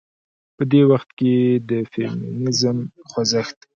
په دې وخت کې د فيمينزم خوځښت